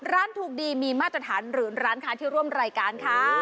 ร้านถูกดีมีมาตรฐานหรือร้านค้าที่ร่วมรายการค่ะ